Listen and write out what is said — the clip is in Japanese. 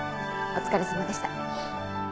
お疲れさまでした。